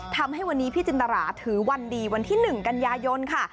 ทำให้วันนี้พี่จินตราถือวันดีวันที่๑กันยายนค่ะ